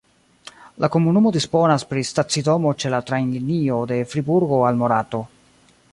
La komunumo disponas pri stacidomo ĉe la trajnlinio de Friburgo al Morato.